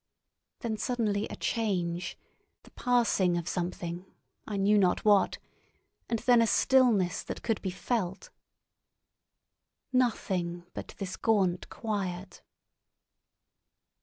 Then suddenly a change, the passing of something—I knew not what—and then a stillness that could be felt. Nothing but this gaunt quiet.